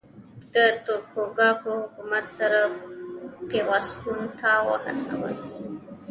د توکوګاوا حکومت سره پیوستون ته وهڅول.